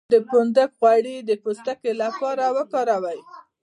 د فندق غوړي د پوستکي لپاره وکاروئ